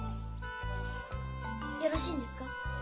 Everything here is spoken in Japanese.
よろしいんですか？